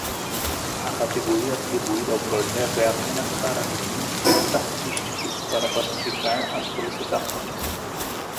A categoria atribuída ao projeto é apenas para fins estatísticos, para classificar as solicitações.